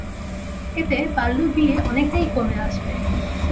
এতে বাল্যবিয়ে অনেকটাই কমে আসবে।